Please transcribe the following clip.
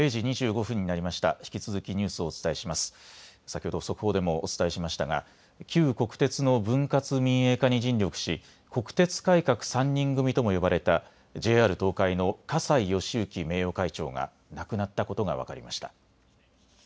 先ほど速報でもお伝えしましたが旧国鉄の分割民営化に尽力し国鉄改革３人組とも呼ばれたＪＲ東海の葛西敬之名誉会長が亡くなったことが分かりました。